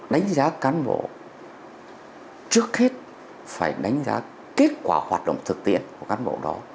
đánh giá cán bộ trước hết phải đánh giá kết quả hoạt động thực tiễn của cán bộ đó